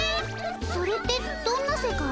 それってどんな世界？